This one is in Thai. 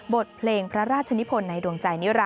บทเพลงพระราชนิพนธ์ในดวงใจนิรันดร์นะคะ